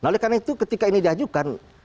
nah oleh karena itu ketika ini diajukan